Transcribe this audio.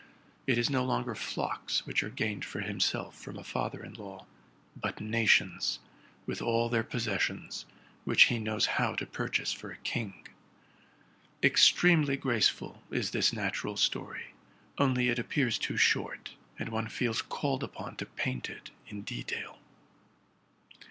It is no longer flocks which are gained for himself from a father in law, but nations, with all their possessions, which he knows how to purchase for a king. Extremely graceful is this natural story, only it appears too short; and one feels "ulled upon to paint it in detail.